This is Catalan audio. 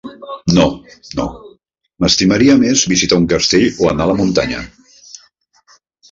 No, no, m'estimaria més visitar un castell, o anar a la muntanya.